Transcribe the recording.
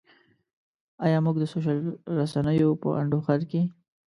ایا موږ د سوشل رسنیو په انډوخر کې.